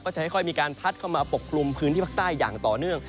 จะค่อยมีการพัดเข้ามาปกกลุ่มพื้นที่ภาคใต้อย่างต่อเนื่อง